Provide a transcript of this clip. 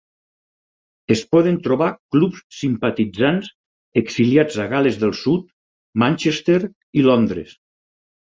Es poden trobar clubs simpatitzants exiliats a Gal·les del Sud, Manchester i Londres.